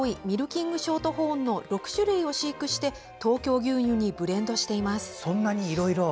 ミルキングショートホーンの６種類を飼育して東京牛乳にブレンドしています。